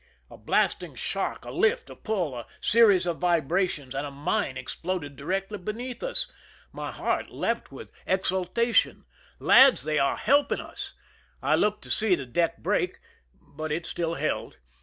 A blasting shock, a lift, a pull, a series of vibrations, and a mine exploded directly beneath us. My heart leaped with exultation. 101 THE SINKING OF THE "MERRIMAC" " Lads, they are helping us !" I looked to see the deck break, but it still held.